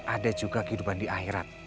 ada juga kehidupan di akhirat